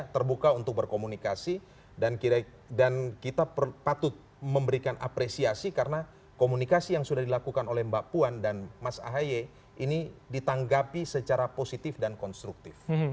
terbuka untuk berkomunikasi dan kita patut memberikan apresiasi karena komunikasi yang sudah dilakukan oleh mbak puan dan mas ahy ini ditanggapi secara positif dan konstruktif